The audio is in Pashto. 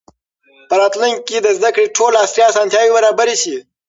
په راتلونکي کې به د زده کړې ټولې عصري اسانتیاوې برابرې سي.